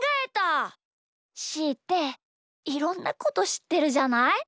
しーっていろんなことしってるじゃない？